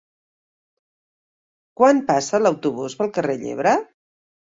Quan passa l'autobús pel carrer Llebre?